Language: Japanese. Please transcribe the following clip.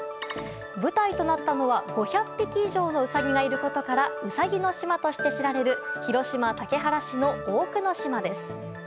舞台となったのは５００匹以上のウサギがいることからウサギの島として知られる広島・竹原市の大久野島です。